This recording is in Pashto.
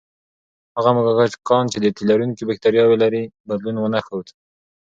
هغه موږکان چې د تیلرونکي بکتریاوې لري، بدلون ونه ښود.